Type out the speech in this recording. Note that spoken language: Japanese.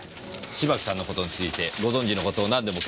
芝木さんの事についてご存じの事何でも結構です。